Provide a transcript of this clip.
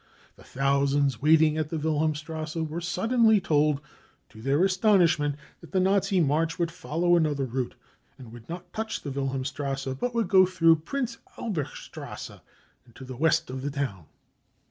The thousands waiting in the Wilhelmstrasse were suddenly told, to their astonishment, that the Nazi march would follow another route and would not touch the Wilhelm strasse, but would go through the Prinz Albrechtstrasse into the west of the town.